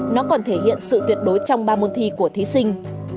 nó còn thể hiện sự tuyệt đối trong ba môn thi của thí sinh